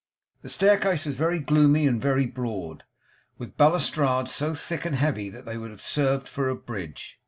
The staircase was very gloomy and very broad, with balustrades so thick and heavy that they would have served for a bridge.